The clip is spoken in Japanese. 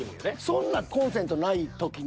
そんなんコンセントない時の。